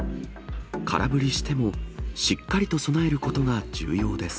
空振りしてもしっかりと備えることが重要です。